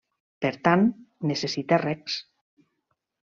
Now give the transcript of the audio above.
Per tant, necessita regs.